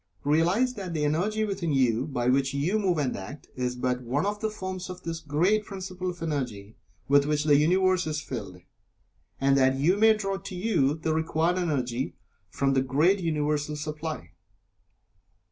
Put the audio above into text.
Realize that the energy within you by which you move and act, is but one of the forms of this great Principle of Energy with which the Universe is filled, and that you may draw to you the required Energy from the great Universal supply.